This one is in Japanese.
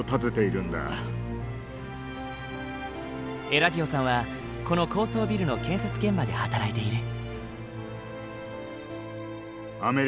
エラディオさんはこの高層ビルの建設現場で働いている。